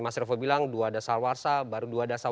mas revo bilang dua dasar warsa baru dua dasar